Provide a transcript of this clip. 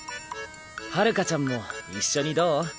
春夏ちゃんも一緒にどう？